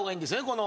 この。